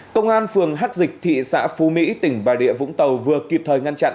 công an phường hắc dịch thị xã phú mỹ tỉnh bà địa vũng tàu vừa kịp thời ngăn chặn